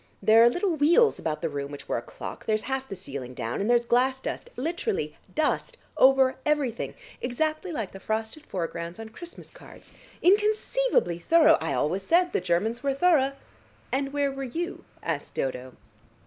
There are little wheels about the room which were a clock, there's half the ceiling down, and there's glass dust, literally dust over everything, exactly like the frosted foregrounds on Christmas cards. Inconceivably thorough! I always said the Germans were thorough." "And where were you?" asked Dodo.